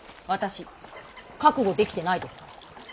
私覚悟できてないですから。